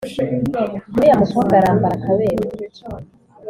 uriya mukobwa arambara akaberwa